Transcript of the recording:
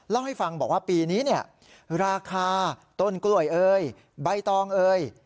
เล่าให้ฟังบอกว่าปีนี้เนี่ยราคาต้นกล้วยเอ่ยใบตองเอ่ย